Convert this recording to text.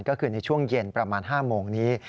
ก็คือในช่วงเย็นประมาณ๕โมงนี้